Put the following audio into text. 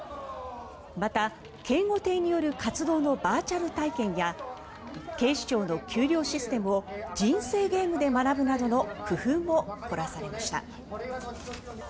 また、警護艇による活動のバーチャル体験や警視庁の給料システムを人生ゲームで学ぶなどの工夫も凝らされました。